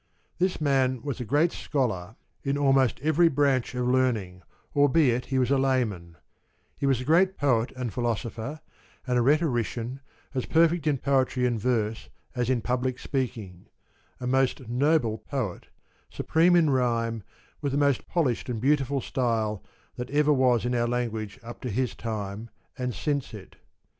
This man was a great scholar in almost every branch of 141 » learning, albeit he was a layman ; he was a great poet and philosopher, and a rhetorician, as perfect in poetry and verse as in public speaking ; a most noble poet, supreme in rhyme, with the most polished and beauti ful style which ever was in our language up to his time and since it.